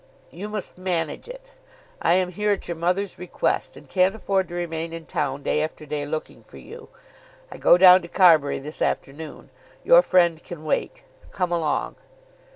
"You must manage it. I am here at your mother's request, and can't afford to remain in town day after day looking for you. I go down to Carbury this afternoon. Your friend can wait. Come along."